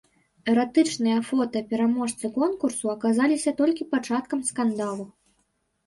Эратычныя фота пераможцы конкурсу аказаліся толькі пачаткам скандалу.